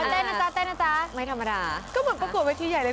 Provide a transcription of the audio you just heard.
เต้นนะจ๊ะเต้นนะจ๊ะไม่ธรรมดาก็เหมือนประกวดเวทีใหญ่เลย